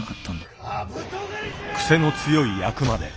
クセの強い役まで。